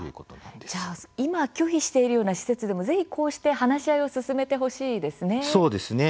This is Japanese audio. じゃあ、今拒否しているような施設でもぜひ、こうして話し合いを進めてほしいですね。